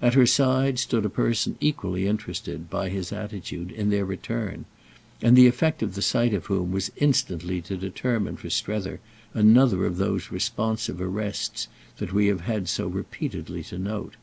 At her side stood a person equally interested, by his attitude, in their return, and the effect of the sight of whom was instantly to determine for Strether another of those responsive arrests that we have had so repeatedly to note.